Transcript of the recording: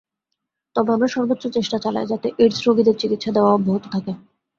তবে আমরা সর্বোচ্চ চেষ্টা চালাই যাতে এইডস রোগীদের চিকিৎসা দেওয়া অব্যাহত থাকে।